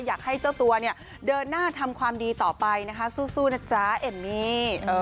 อยากให้เจ้าตัวเนี่ยเดินหน้าทำความดีต่อไปนะคะสู้นะจ๊ะเอมมี่